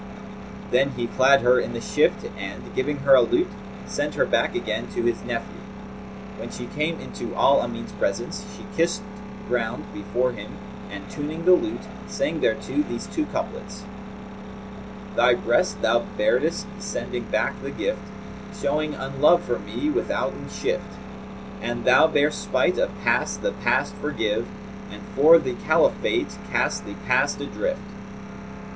Then he clad her in the shift and, giving her a lute, sent her back again to his nephew. When she came into al Amin's presence, she kissed ground before him and tuning the lute, sang thereto these two couplets, "Thy breast thou baredst sending back the gift; * Showing unlove for me withouten shift: An thou bear spite of Past, the Past forgive, * And for the Caliphate cast the Past adrift."